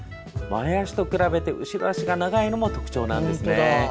前足と比べて後ろ足が長いのも特徴なんですね。